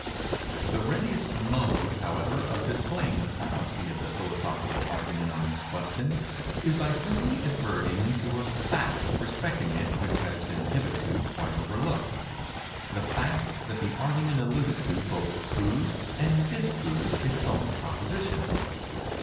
The readiest mode, however, of displaying the fallacy of the philosophical argument on this question, is by simply adverting to a fact respecting it which has been hitherto quite overlooked—the fact that the argument alluded to both proves and disproves its own proposition.